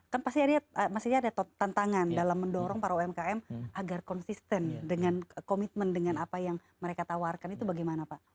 kan pasti ada tantangan dalam mendorong para umkm agar konsisten dengan komitmen dengan apa yang mereka tawarkan itu bagaimana pak